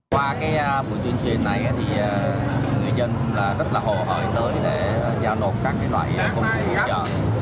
qua buổi tuyên truyền này thì người dân rất là hồ hởi tới để giao nộp các loại công cụ hỗ trợ